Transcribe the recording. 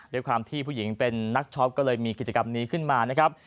ด้วยความที่ผู้หญิงเป็นนักช็อปก็เลยมีกิจกรรมนี้ขึ้นมานะครับ